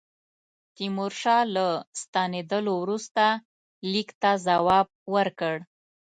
تیمورشاه له ستنېدلو وروسته لیک ته جواب ورکړ.